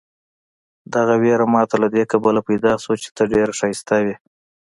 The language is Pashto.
دغه وېره ماته له دې کبله پیدا شوه چې ته ډېر ښایسته وې.